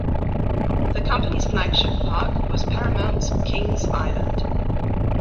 The company's flagship park was Paramount's Kings Island.